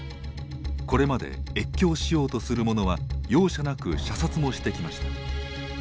これまで越境しようとする者は容赦なく射殺もしてきました。